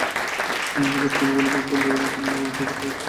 আবার কোনো কোনো ব্যাংক কেন্দ্রীয় ব্যাংকের অনুমোদন ছাড়াই শাখা স্থানান্তর করছে।